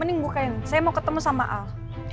mending bu kain saya mau ketemu sama al